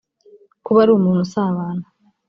Kuba ari umuntu usabana